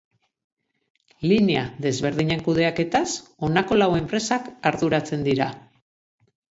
Linea desberdinen kudeaketaz honako lau enpresak arduratzen dira.